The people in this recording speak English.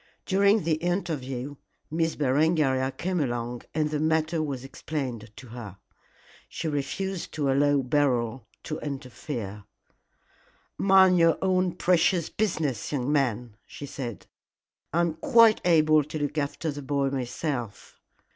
During the interview Miss Berengaria came along and the matter was explained to her. She refused to allow Beryl to interfere. "Mind your own precious business, young man," she said. "I am quite able to look after the boy myself."